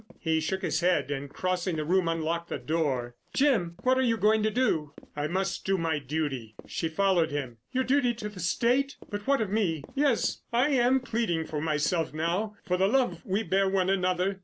He shook his head, and crossing the room unlocked the door. "Jim! What are you going to do?" "I must do my duty." She followed him. "Your duty to the State? But what of me. Yes, I am pleading for myself now. For the love we bear one another."